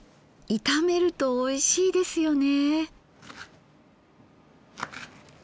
炒めるとおいしいですよね。